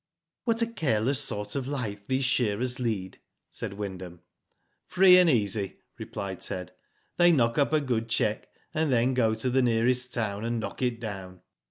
*'What a careless sort of life these shearers lead," said Wyndham. "Free and easy," replied Ted. "They knock up a good cheque, and then go to the nearest town and knock it down.